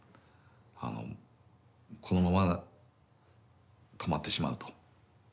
このまま止まってしまうと。